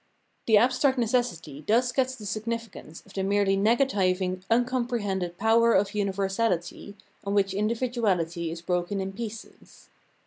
The abstract necessity thus gets the significance of the merely nega tiving uncomprehended power of universahty, on which individuaUty is broken in pieces.